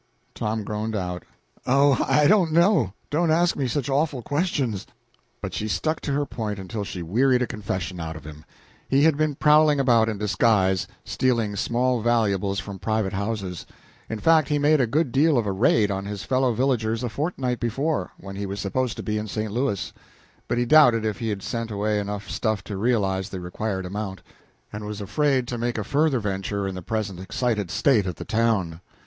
Tom groaned out "Oh, I don't know; don't ask me such awful questions." But she stuck to her point until she wearied a confession out of him: he had been prowling about in disguise, stealing small valuables from private houses; in fact, he made a good deal of a raid on his fellow villagers a fortnight before, when he was supposed to be in St. Louis; but he doubted if he had sent away enough stuff to realize the required amount, and was afraid to make a further venture in the present excited state of the town.